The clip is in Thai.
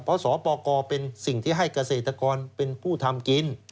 เพราะสปกรเป็นสิ่งที่ให้เกษตรกรเป็นผู้ทำกิน